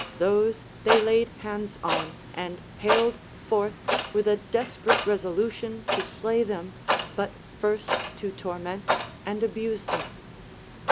Those they laid hands on, and haled forth, with a despe rate resolution to slay them, but first to torment and abuse them.